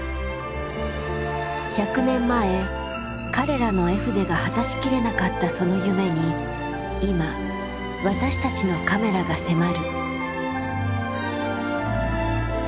１００年前彼らの絵筆が果たしきれなかったその夢に今私たちのカメラが迫る。